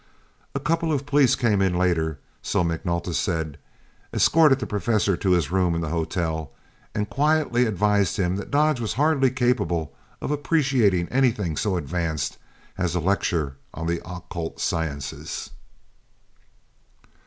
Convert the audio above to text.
A couple of police came in later, so McNulta said, escorted the professor to his room in the hotel, and quietly advised him that Dodge was hardly capable of appreciating anything so advanced as a lecture on the occult sciences."